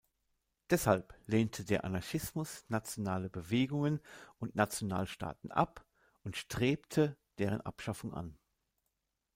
Deshalb lehnte der Anarchismus nationale Bewegungen und Nationalstaaten ab und strebte deren Abschaffung an.